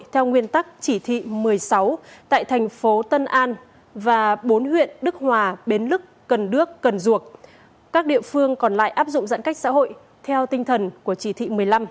theo nguyên tắc chỉ thị một mươi sáu tại thành phố tân an và bốn huyện đức hòa bến lức cần đước cần duộc các địa phương còn lại áp dụng giãn cách xã hội theo tinh thần của chỉ thị một mươi năm